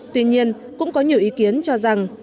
tuy nhiên cũng có nhiều ý kiến cho rằng